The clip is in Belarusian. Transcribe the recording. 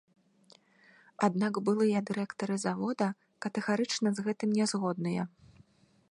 Аднак былыя дырэктары завода катэгарычна з гэтым не згодныя.